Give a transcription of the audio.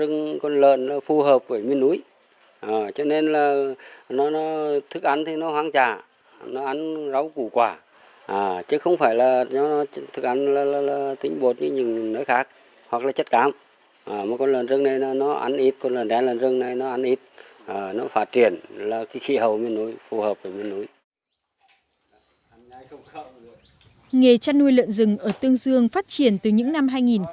nghề chăn nuôi lợn rừng ở tương dương phát triển từ những năm hai nghìn tám